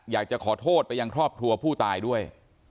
อยากจะขอโทษไปยังครอบครัวผู้ตายด้วย